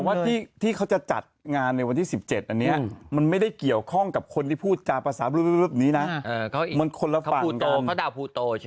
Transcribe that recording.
ว่าที่เขาจะจัดงานในวันที่๑๗อันนี้มันไม่ได้เกี่ยวข้องกับคนที่พูดจาภาษานี้นะมันคนละฝั่ง